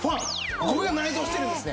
これが内蔵してるんですね。